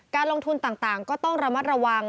การลงทุนต่างก็ต้องระมัดระวัง